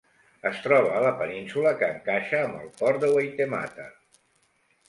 Es troba a la península que encaixa amb el port de Waitemata.